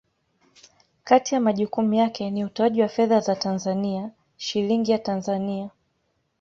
Kati ya majukumu yake ni utoaji wa fedha za Tanzania, Shilingi ya Tanzania.